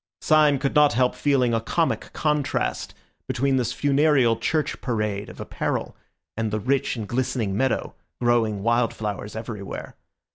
Syme could not help feeling a comic contrast between this funereal church parade of apparel and the rich and glistening meadow, growing wild flowers everywhere.